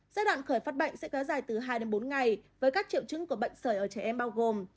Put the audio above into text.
giai đoạn khởi phát bệnh sẽ kéo dài từ hai đến bốn ngày với các triệu chứng của bệnh sởi ở trẻ em bao gồm